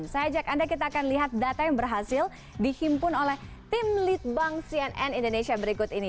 saya ajak anda kita akan lihat data yang berhasil dihimpun oleh tim lead bank cnn indonesia berikut ini